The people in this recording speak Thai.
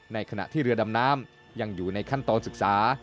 ในขณะที่เรือดำน้ำยังอยู่ในขั้นตอนศึกษา